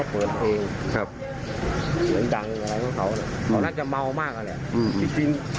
ผมไม่รู้ว่าเขามีปืน